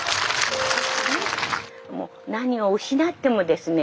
何を失ってもですね